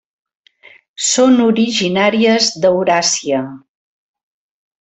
Són originàries d'Euràsia.